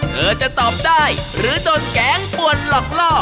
เธอจะตอบได้หรือโดนแก๊งป่วนหลอกล่อ